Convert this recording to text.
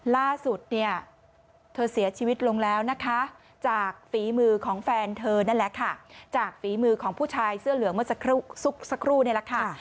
ล่าสุดเนี่ยเธอเสียชีวิตลงแล้วนะคะจากฝีมือของแฟนเธอนั่นแหละค่ะจากฝีมือของผู้ชายเสื้อเหลืองเมื่อสักครู่นี่แหละค่ะ